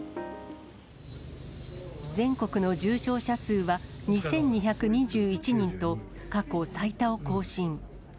全国の重症者数は２２２１人と、過去最多を更新。